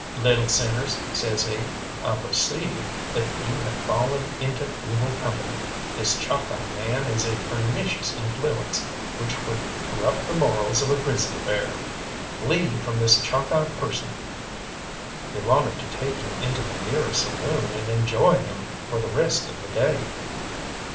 "Little sinners," says he, "I perceive that you have fallen into evil company. This Chalkeye man is a pernicious influence, which would corrupt the morals of a grizzly bear. Flee from this Chalkeye person." They wanted to take him into the nearest saloon and enjoy him for the rest of the day.